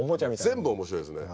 全部面白いですね。